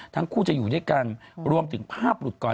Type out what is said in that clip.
ทั้งคู่จะอยู่ด้วยกันรวมถึงภาพหลุดก่อน